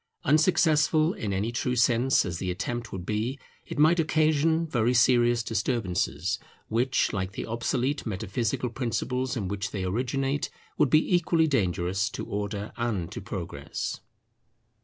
Unsuccessful in any true sense as the attempt would be, it might occasion very serious disturbances, which like the obsolete metaphysical principles in which they originate, would be equally dangerous to Order and to Progress.